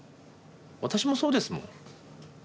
私もそうですもん。